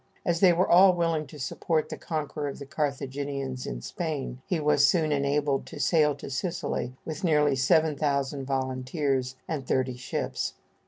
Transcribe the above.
As they were all willing to support the conqueror of the Carthaginians in Spain, he was soon enabled to sail to Sicily with nearly seven thousand volunteers and thirty ships.